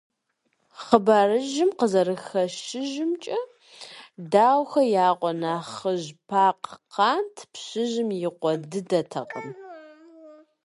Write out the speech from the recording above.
Хъыбарыжьым къызэрыхэщыжымкӏэ, Даухэ я къуэ нэхъыжь Пакъ – къант, пщыжьым и къуэ дыдэтэкъым.